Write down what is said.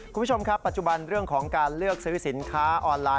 คุณผู้ชมครับปัจจุบันเรื่องของการเลือกซื้อสินค้าออนไลน